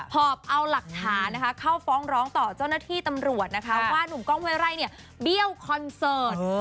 หอบเอาหลักฐานนะคะเข้าฟ้องร้องต่อเจ้าหน้าที่ตำรวจนะคะว่านุ่มกล้องเว้ไร่เนี่ยเบี้ยวคอนเสิร์ต